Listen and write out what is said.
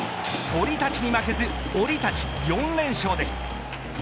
鳥たちに負けずオリ達４連勝です。